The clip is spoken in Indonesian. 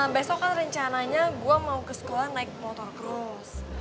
besok kan rencananya gue mau ke sekolah naik motor terus